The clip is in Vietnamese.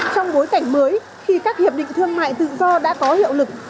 trong bối cảnh mới khi các hiệp định thương mại tự do đã có hiệu lực